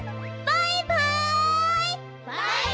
バイバイ！